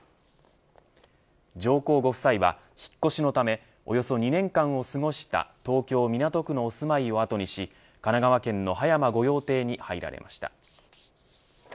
上皇ご夫妻は、引っ越しのためおよそ２年間を過ごした東京、港区のお住まいを後にし神奈川県の葉山御用邸に入られました。